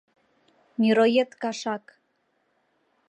— Мироед кашак!